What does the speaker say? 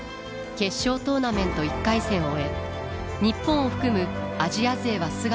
決勝トーナメント１回戦を終え日本を含むアジア勢は姿を消した。